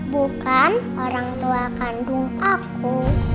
bukan orang tua kandung aku